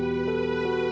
aku mau balik